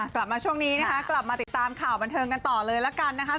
กลับมาช่วงนี้นะคะกลับมาติดตามข่าวบันเทิงกันต่อเลยละกันนะคะ